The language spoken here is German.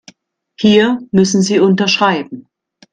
Hier müssen Sie unterschreiben.